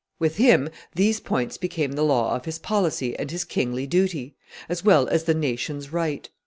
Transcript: With him these points became the law of his policy and his kingly duty, as well as the nation's right.